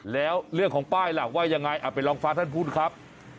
แล้วเรื่องของป้ายล่ะว่ายังไงไปลองฟังท่านพูดครับ